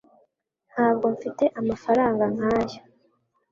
Ntabwo mfite amafaranga nkaya